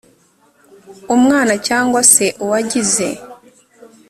umwana cyangwa se uwagize